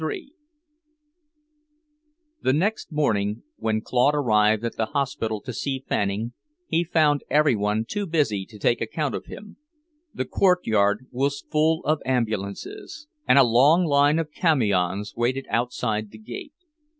III The next morning when Claude arrived at the hospital to see Fanning, he found every one too busy to take account of him. The courtyard was full of ambulances, and a long line of camions waited outside the gate.